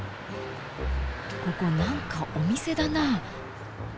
ここなんかお店だな。